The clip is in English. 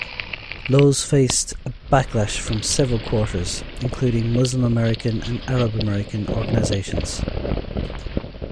Lowe's faced a backlash from several quarters, including Muslim-American and Arab-American organizations.